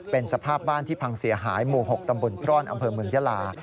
เป็นสภาพบ้านที่พังเสียหายหมู่๖ตำบลพร่อนอำเภอเมืองยาลา